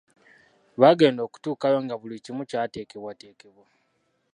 Baagenda okutuukayo nga buli kimu kyatekebwatekebwa.